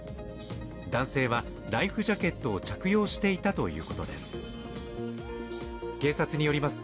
男性はライフジャケットを着用していたということです。